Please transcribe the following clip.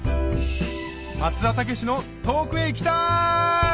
松田丈志の『遠くへ行きたい』！